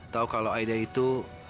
tahu kalau aida itu